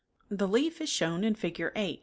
The leaf is shown in Figure 8.